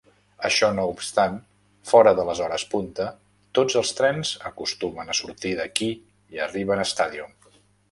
Això no obstant, fora de les hores punta, tots els trens acostumen a sortir d'aquí i arriben a Stadium.